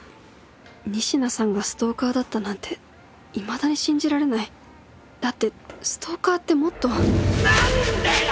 仁科さんがストーカーだったなんていまだに信じられないだってストーカーってもっと何でだ！